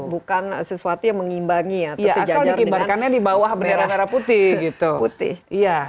bukan sesuatu yang mengimbangi atau sejajar dengan merah putih